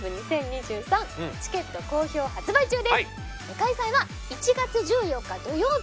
開催は１月１４日土曜日。